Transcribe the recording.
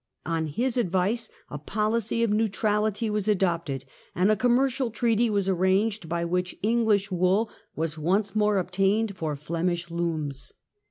On his advice a policy of neutrality was adopted and a commercial treaty was arranged by which Enghsh wool was once more obtained for Flemish looms.